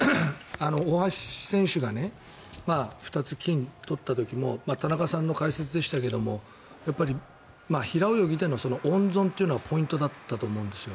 大橋選手が２つ金を取った時も田中さんの解説でしたけどやっぱり平泳ぎでの温存というのはポイントだったと思うんですよ。